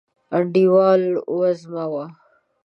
انډیوال وزمه و